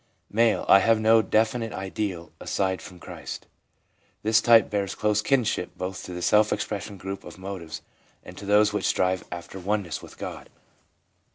M. ' I have no definite ideal aside from Christ.' This type bears close kinship both to the self expression group of motives and to those which strive after oneness with God.